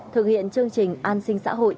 thực hiện chương trình an sinh xã hội